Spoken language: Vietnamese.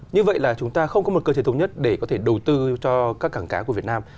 như vậy là chúng ta không có một cơ chế thống nhất để có thể đầu tư cho các cảng cá của việt nam